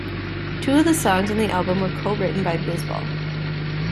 Two of the songs on the album were co-written by Bisbal.